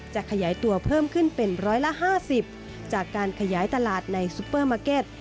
จะขยายตัวเพิ่มขึ้นเป็นร้อยละ๕๐จากการขยายตลาดในซุปเปอร์มาร์เก็ต